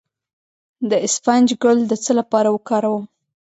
د اسفناج ګل د څه لپاره وکاروم؟